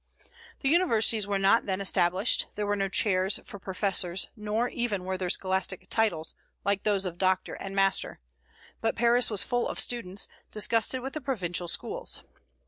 The universities were not then established; there were no chairs for professors, nor even were there scholastic titles, like those of doctor and master; but Paris was full of students, disgusted with the provincial schools.